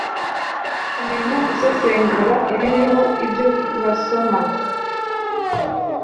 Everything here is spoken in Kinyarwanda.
kumenya gusesengura ibiriho ibyo basoma